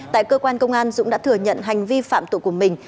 tại cơ quan công an dũng đã thừa nhận hành vi phạm tội của mình